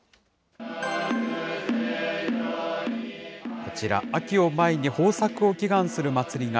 こちら、秋を前に豊作を祈願する祭りが、